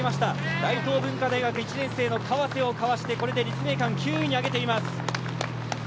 大東文化大学１年生の川瀬をかわして立命館９位に上げています。